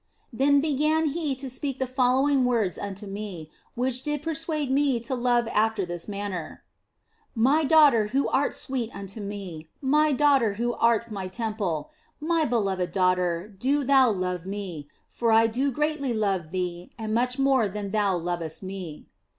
Then began He to speak the following words unto me, which did persuade me to love after this manner :" My daughter who art sweet unto Me, my daughter who art My temple ; My beloved daughter, do thou love Me, for I do greatly love thee and much more than thou lovest Me."